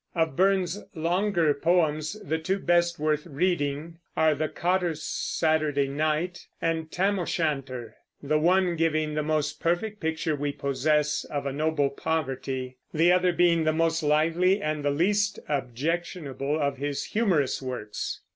Of Burns's longer poems the two best worth reading are "The Cotter's Saturday Night" and "Tam o' Shanter," the one giving the most perfect picture we possess of a noble poverty; the other being the most lively and the least objectionable of his humorous works.